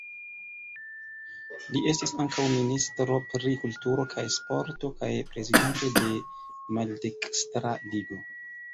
Li estis ankaŭ ministro pri kulturo kaj sporto kaj prezidanto de Maldekstra Ligo.